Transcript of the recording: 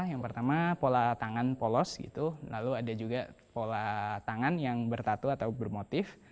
yang pertama pola tangan polos gitu lalu ada juga pola tangan yang bertatu atau bermotif